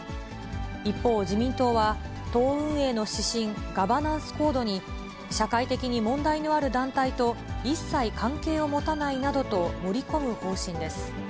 一方、自民党は、党運営の指針、ガバナンスコードに、社会的に問題のある団体と一切関係を持たないなどと盛り込む方針です。